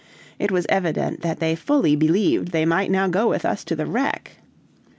It was evident that they fully believed they might now go with us to the wreck.